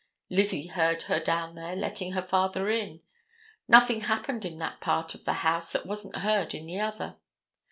Lizzie heard her down there letting her father in. Nothing happened in one part of the house that wasn't heard in the other.